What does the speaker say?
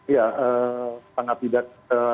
ya sangat tidak